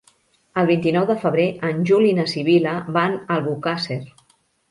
El vint-i-nou de febrer en Juli i na Sibil·la van a Albocàsser.